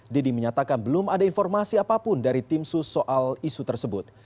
deddy menyatakan belum ada informasi apapun dari tim sus soal isu tersebut